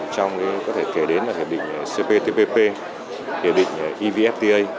trong có thể kể đến là hiệp định cptpp hiệp định evfta